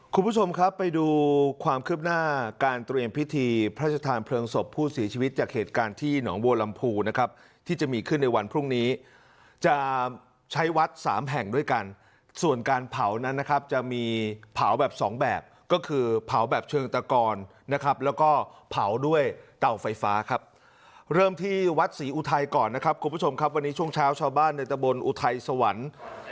คุณผู้ชมครับไปดูความคืบหน้าการตรวจเองพิธีพระชะทานเพลิงศพผู้ศรีชีวิตจากเหตุการณ์ที่หนองโบรัมภูนะครับที่จะมีขึ้นในวันพรุ่งนี้จะใช้วัดสามแห่งด้วยกันส่วนการเผานั้นนะครับจะมีเผาแบบสองแบบก็คือเผาแบบเชิงตะกรนะครับแล้วก็เผาด้วยเตาไฟฟ้าครับเริ่มที่วัดศรีอุไทยก่อนนะครับค